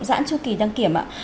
giãn trung kỳ đăng kiểm